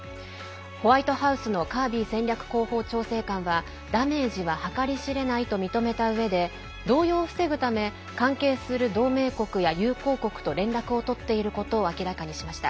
ホワイトハウスのカービー戦略広報調整官はダメージは計り知れないと認めたうえで動揺を防ぐため関係する同盟国や友好国と連絡を取っていることを明らかにしました。